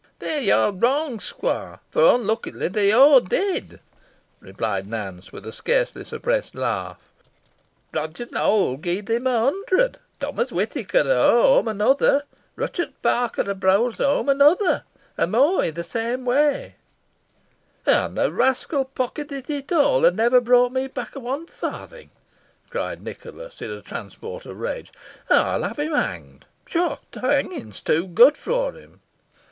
"There yo're wrong, squoire fo' unluckily they aw did," replied Nance, with a scarcely suppressed laugh. "Roger Nowell gied him one hundred; Tummus Whitaker of Holme, another; Ruchot Parker o' Browsholme, another. An more i' th' same way." "And the rascal pocketed it all, and never brought me back one farthing," cried Nicholas, in a transport of rage. "I'll have him hanged pshaw! hanging's too good for him.